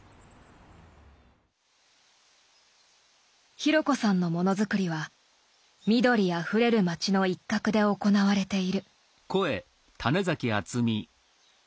紘子さんの物作りは緑あふれる町の一角で行われている。